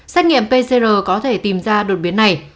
xét nghiệm pcr có thể tìm ra đột biến này